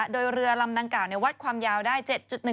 โดยเรือลำดังกล่าวเนี่ยวัดความยาวได้๗๑๒เนตร